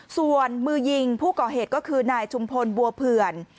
ส่วนมือยิงผู้ก่อเหตุก็คือนายชุมพลบัวเผื่อน